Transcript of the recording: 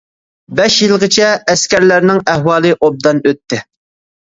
بەش يىلغىچە ئەسكەرلەرنىڭ ئەھۋالى ئوبدان ئۆتتى.